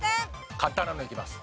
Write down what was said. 簡単なのいきます。